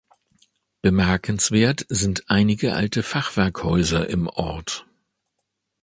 Bemerkenswert sind einige alte Fachwerkhäuser im Ort.